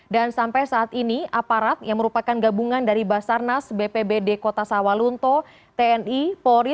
dan sampai saat ini aparat yang merupakan gabungan dari basarnas bpbd kota sawah lunto tni polri